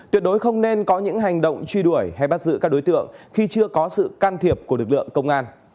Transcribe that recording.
tuyệt đối không nên có những hành động truy đuổi hay bắt giữ các đối tượng khi chưa có sự can thiệp của lực lượng công an